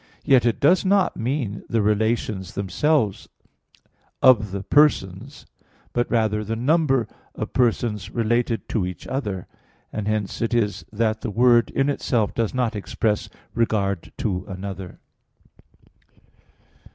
Yet it does not mean the relations themselves of the Persons, but rather the number of persons related to each other; and hence it is that the word in itself does not express regard to another.